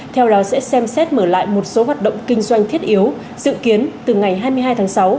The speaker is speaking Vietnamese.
theo đó sẽ xem xét mở lại một số hoạt động kinh doanh thiết yếu dự kiến từ ngày hai mươi hai tháng sáu